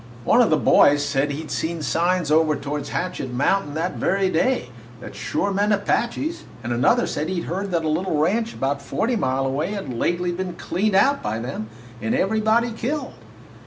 One of the boys said he 'd seen signs over toward Hatchet Mountain that very day that sure meant Apaches, and another said he 'd heard that a little ranch about forty mile away had lately been cleaned out by them and everybody killed.